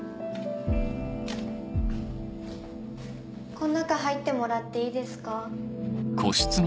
この中入ってもらっていいですか？